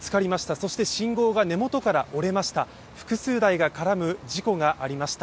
そして信号が根元から折れました。